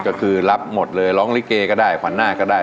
ก็คือรับหมดเลยร้องลิเกก็ได้ขวัญหน้าก็ได้